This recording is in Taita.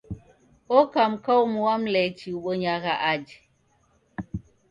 Oka mka umu wa Mlechi ubonyagha aje.